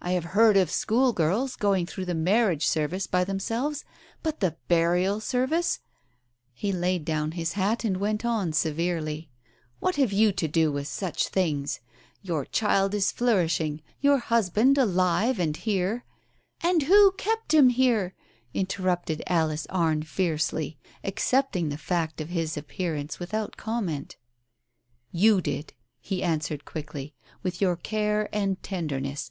I have heard of schoolgirls going through the marriage service by themselves, but the burial service " He laid down his hat and went on severely, "What have you to do with such things ? Your child is flourish ing — your husband alive and here " "And who kept him here?" interrupted Alice Arne fiercely, accepting the fact of his appearance without comment. "You did," he answered quickly, "with your care and tenderness.